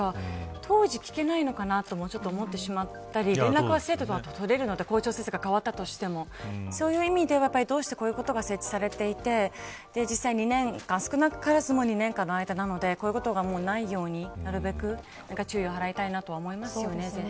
当時、聞けないのかなとも思ってしまったり連絡は生徒が取れるなら校長先生が代わったとしてもどうしてこういうことが設置されていて少なからずも２年間の間なのでこういうことが、もうないようになるべく注意を払いたいなと思いますよね。